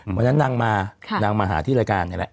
วันนั้นนั่งมานั่งมาหาที่รายการ